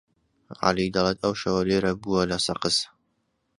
عەلی دەڵێت ئەو شەوە لێرە بووە لە سەقز.